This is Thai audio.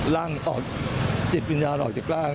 จิตวิญญาณออกจากร่าง